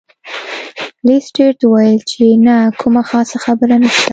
لیسټرډ وویل چې نه کومه خاصه خبره نشته.